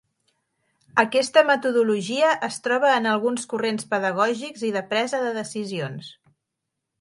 Aquesta metodologia es troba en alguns corrents pedagògics i de presa de decisions.